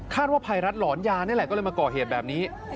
ว่าภัยรัฐหลอนยานี่แหละก็เลยมาก่อเหตุแบบนี้